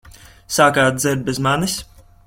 Sākāt dzert bez manis?